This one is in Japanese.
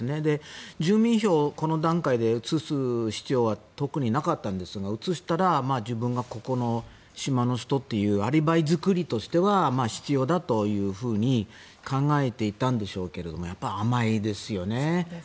住民票をこの段階で移す必要は特になかったんですが、移したら自分がここの島の人というアリバイ作りとしては必要だというふうに考えていたんでしょうけどやっぱり甘いですよね。